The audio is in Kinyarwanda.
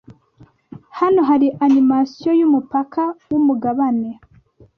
Hano hari animasiyo yumupaka wumugabane